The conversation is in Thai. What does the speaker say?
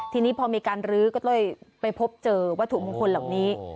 ทีนี้พอมีการรื้อก็เลยไปพบเจอวัตถุมงคลเหล่านี้